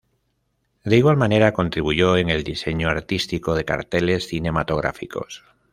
De igual manera contribuyó en el diseño artístico de carteles cinematográficos.